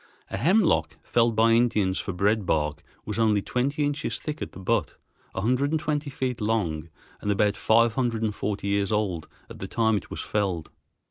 A hemlock, felled by Indians for bread bark, was only twenty inches thick at the butt, a hundred and twenty feet long, and about five hundred and forty years old at the time it was felled.